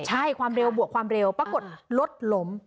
ใช่ความเร็วบวกความเร็วปรากฏรถล้ม